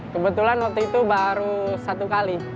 kebetulan waktu itu baru satu kali